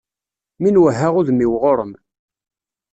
Mi n-wehheɣ udem-iw ɣur-m.